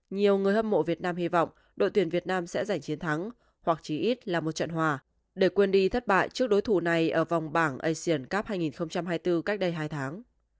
nhiều người hâm mộ việt nam hy vọng đội tuyển việt nam sẽ giành chiến thắng hoặc chỉ ít là một trận hòa để quên đi thất bại trước đối thủ này ở vòng bảng asian cup hai nghìn hai mươi bốn cách đây hai tháng